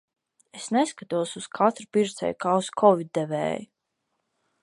Es neskatos uz katru pircēju kā uz kovid devēju.